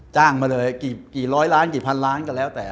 มาเลยกี่ร้อยล้านกี่พันล้านก็แล้วแต่